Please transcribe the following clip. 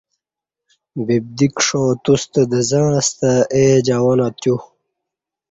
ببدی کݜا توستہ دزں استہ اے جوانہ تیو